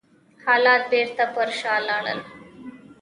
حالات بېرته پر شا لاړل.